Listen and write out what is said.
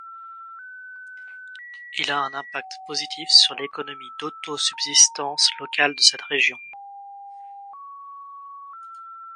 Il a un impact positif sur l’économie d’autosubsistance locale de cette région.